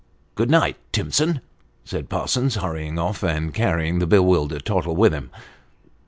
" Good night, Timson," said Parsons, hurrying off, and carrying the bewildered Tottle with him.